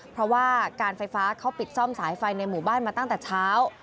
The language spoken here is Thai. เพราะว่าการไฟฟ้าเขาปิดซ่อมสายไฟในหมู่บ้านมาตั้งแต่เช้า